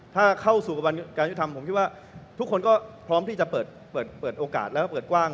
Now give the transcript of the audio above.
ถ้าเข้าสู่กระบวนการยุทธรรมผมคิดว่าทุกคนก็พร้อมที่จะเปิดโอกาสแล้วก็เปิดกว้าง